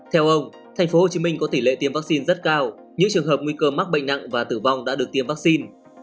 theo ông tp hcm có tỷ lệ tiêm vaccine rất cao những trường hợp nguy cơ mắc bệnh nặng và tử vong đã được tiêm vaccine